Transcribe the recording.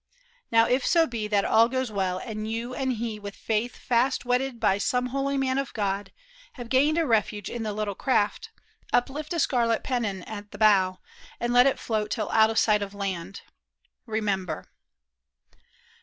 Now if so be That all goes well, and you and he with faith Fast wedded by some holy man of God, Have gained a refuge in the little craft, Uplift a scarlet pennon at the bow, And let it float till out of sight of land. " Remember."